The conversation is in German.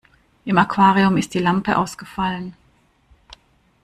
Im Aquarium ist die Lampe ausgefallen.